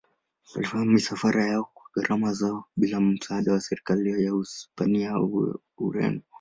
Walifanya misafara yao kwa gharama zao bila msaada wa serikali ya Hispania au Ureno.